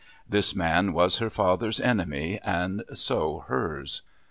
This man was her father's enemy, and so hers.